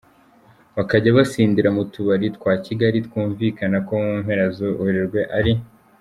bakajya basindira mu tubari twa Kigali twumvikana ko mu mpera za Werurwe ari.